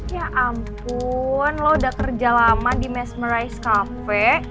ya ampun lo udah kerja lama di mesmerize cafe